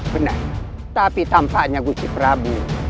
benar tapi tampaknya guci prabu